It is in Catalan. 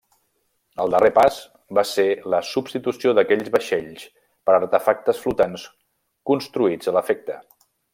El darrer pas va ser la substitució d'aquells vaixells per artefactes flotants construïts a l'efecte.